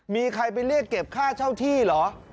มีใครไปเรียกเก็บค่าเช่าที่เหรอ